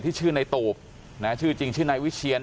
ชื่อในตูบชื่อจริงชื่อนายวิเชียน